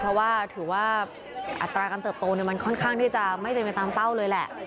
เพราะว่าถือว่าอัตราการเติบโตมันค่อนข้างที่จะไม่เป็นไปตามเป้าเลยแหละ